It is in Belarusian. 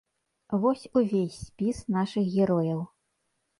Вось увесь спіс нашых герояў.